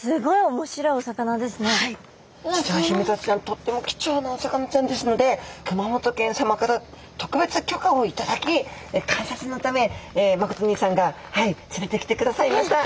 とっても貴重なお魚ちゃんですので熊本県さまから特別許可を頂き観察のため誠にいさんが連れてきてくださいました。